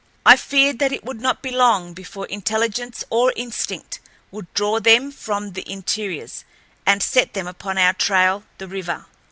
I feared that it would not be long before intelligence or instinct would draw them from the interiors and set them upon our trail, the river.